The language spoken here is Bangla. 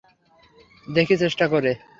দেখি চেষ্টা করে।